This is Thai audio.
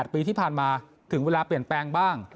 ปีที่ผ่านมาถึงเวลาเปลี่ยนแปลงบ้าง